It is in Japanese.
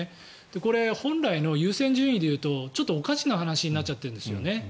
これは本来の優先順位で言うとちょっとおかしな話になっちゃってるんですよね。